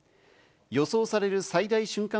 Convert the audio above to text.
予想される最大瞬間